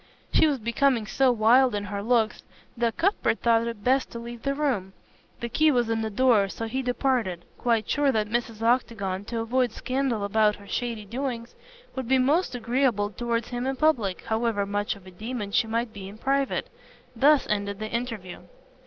She was becoming so wild in her looks that Cuthbert thought it best to leave the room. The key was in the door, so he departed, quite sure that Mrs. Octagon, to avoid scandal about her shady doings, would be most agreeable towards him in public, however much of a demon she might be in private. Thus ended the interview.